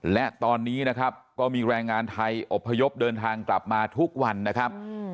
และตอนนี้นะครับก็มีแรงงานไทยอบพยพเดินทางกลับมาทุกวันนะครับ